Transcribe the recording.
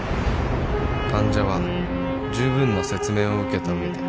患者は十分な説明を受けた上で